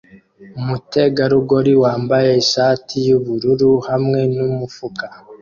umutegarugori wambaye ishati yubururu hamwe numufuka